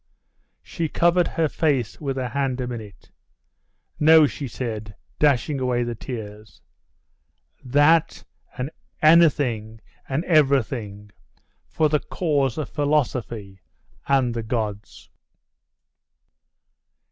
She covered her face with her hand a minute. 'No!' she said, dashing away the tears 'That and anything and everything for the cause of Philosophy and the gods!